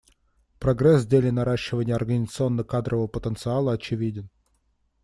Прогресс в деле наращивания организационно-кадрового потенциала очевиден.